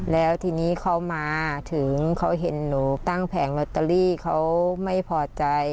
แล้วทีนี้เขามาถึงเขาเห็นหนูตั้งแผงลอตเตอรี่เขาไม่พอใจ